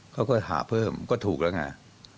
เขาก็หาเพิ่มก็ถูกแล้วไง